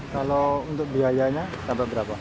kalau untuk biayanya tambah berapa